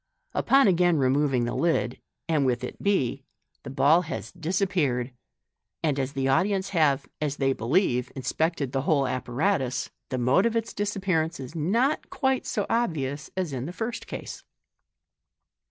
Upon again removing the lid, and with it b, the b ill has disappeared ; and as the audience have, as they believe, inspected the whole apparatus the mode of its dis appearance is not quite so obvious as in the first case.